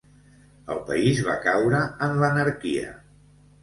El país va caure en l'anarquia.